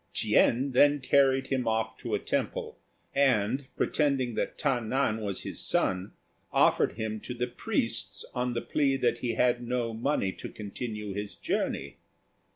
Ch'ien then carried him off to a temple, and, pretending that Ta nan was his son, offered him to the priests on the plea that he had no money to continue his journey.